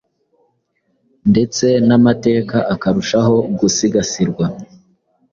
ndetse n’amateka akarushaho gusigasirwa,